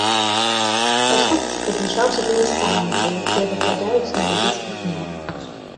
Часопіс прызначаўся для настаўнікаў, якія выкладаюць на лужыцкіх мовах.